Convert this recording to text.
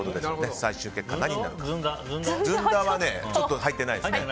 ずんだはちょっと入ってないですね。